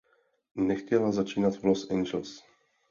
Nechtěla začínat v Los Angeles.